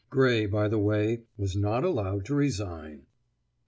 (Gray, by the way, was not allowed to resign.)"